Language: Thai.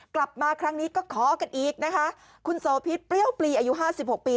กลับมาครั้งนี้ก็ขอกันอีกนะคะคุณโสพิษเปรี้ยวปลีอายุห้าสิบหกปี